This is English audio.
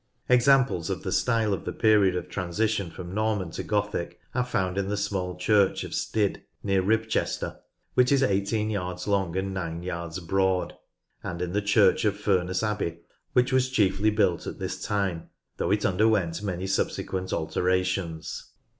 Examples of the style of the period of transition from Norman to Gothic are found in the small church of Styd near Ribchester, which is 18 yards long and 9 yards broad, and in the church of Furness Abbey, which was chiefly built at this time, though it underwent many subsequent alterations.